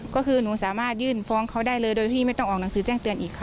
ก็คือหนูสามารถยื่นฟ้องเขาได้เลยโดยที่ไม่ต้องออกหนังสือแจ้งเตือนอีกค่ะ